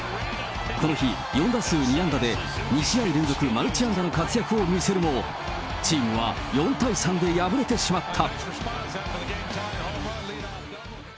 この日、４打数２安打で、２試合連続マルチ安打の活躍を見せるもチームは４対３で敗れてしまった。